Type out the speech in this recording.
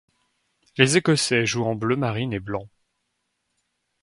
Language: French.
Les Écossais jouent en bleu marine et blanc.